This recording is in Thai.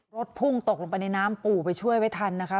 รถพุ่งตกลงไปในน้ำปู่ไปช่วยไว้ทันนะคะ